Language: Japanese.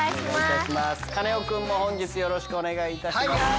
カネオくんも本日よろしくお願いいたします。